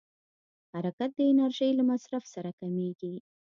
حرکت د انرژۍ له مصرف سره کېږي.